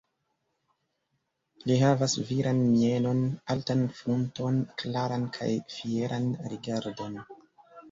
Li havas viran mienon, altan frunton, klaran kaj fieran rigardon.